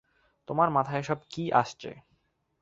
তোমার মাথায় এসব কী আসছে?